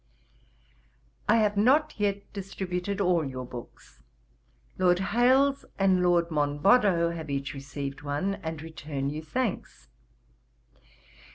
'I have not yet distributed all your books. Lord Hailes and Lord Monboddo have each received one, and return you thanks.